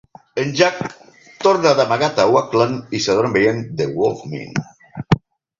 En Jack torna d'amagat a Oakland i s'adorm veient "The Wolf Man".